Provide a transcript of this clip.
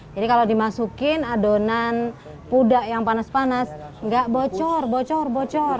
jadi kalau dimasukin adonan pudak yang panas panas nggak bocor bocor bocor